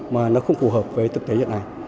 mà nó không phù hợp với thực tế như thế này